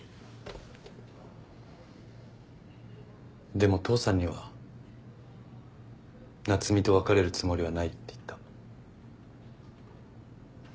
でも父さんには夏海と別れるつもりはないって言った。